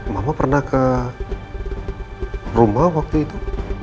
mama pernah ke rumah waktu itu